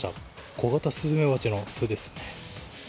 コガタスズメバチの巣ですね。